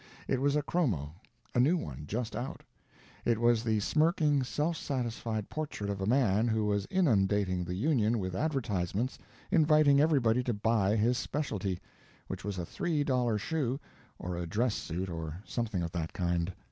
It was a chromo; a new one, just out. It was the smirking, self satisfied portrait of a man who was inundating the Union with advertisements inviting everybody to buy his specialty, which was a three dollar shoe or a dress suit or something of that kind.